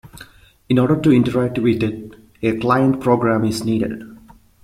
In order to interact with it, a client program is needed.